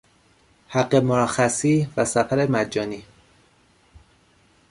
حق مرخصی و سفر مجانی